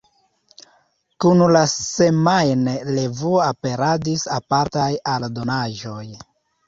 Kun la semajn-revuo aperadis apartaj aldonaĵoj.